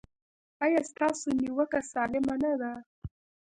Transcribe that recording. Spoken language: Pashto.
ایا ستاسو نیوکه سالمه نه ده؟